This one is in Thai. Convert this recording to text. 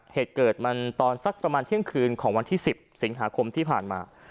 เหตุเกิดมันตอนสักประมาณเที่ยงคืนของวันที่๑๐สิงหาคมที่ผ่านมา